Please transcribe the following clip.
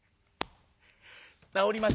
治りました」。